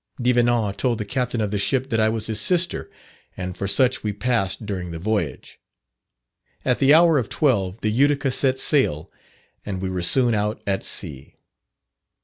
Devenant told the Captain of the ship that I was his sister, and for such we passed during the voyage. At the hour of twelve the Utica set sail, and we were soon out at sea.